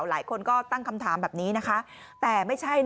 หลายคนก็ตั้งคำถามแบบนี้นะคะแต่ไม่ใช่นะ